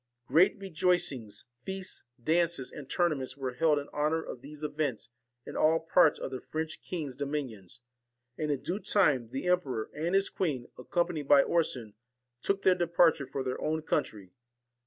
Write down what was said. Great rejoicings, feasts, dances, and tournaments were held in honour of these events in all parts of the French king's dominions; and, in due time, the emperor and his queen, accompanied by Orson, took their departure for their own country.